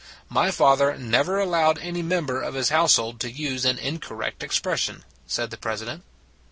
" My father never allowed any mem ber of his household to use an incorrect expression, said the President.